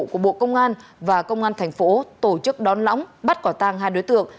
của bộ công an và công an tp tổ chức đón lõng bắt quả tàng hai đối tượng